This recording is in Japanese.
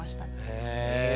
へえ。